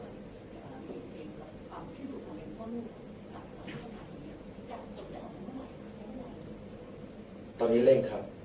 อยากจบแบบเขาก็ไหนแล้วครับ